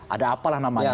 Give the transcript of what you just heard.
ada apalah namanya